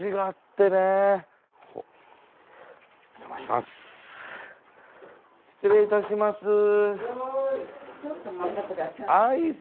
あっ失礼いたします